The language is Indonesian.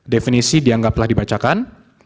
definisi dianggap telah dibacakan